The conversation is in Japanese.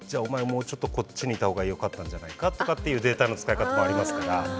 もうちょっとこっちにいた方がよかったんじゃないかとかっていうデータの使い方もありますから。